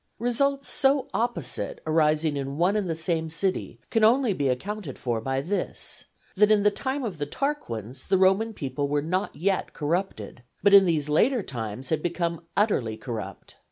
Results so opposite arising in one and the same city can only be accounted for by this, that in the time of the Tarquins the Roman people were not yet corrupted, but in these later times had become utterly corrupt.